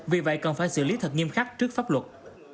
vì vậy cần phải xử lý thật nghiêm khắc trước pháp luật